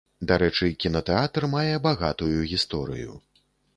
Дарэчы, кінатэатр мае багатую гісторыю.